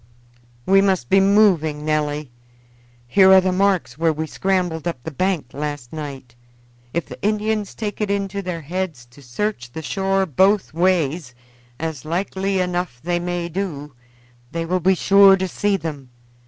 "We must be moving, Nelly. Here are the marks where we scrambled up the bank last night. If the Indians take it into their heads to search the shore both ways, as likely enough they may do, they will be sure to see them.